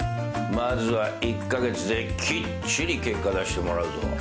まずは１カ月できっちり結果出してもらうぞ。